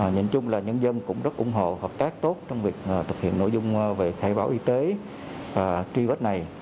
nhìn chung là nhân dân cũng rất ủng hộ hợp tác tốt trong việc thực hiện nội dung về khai báo y tế truy vết này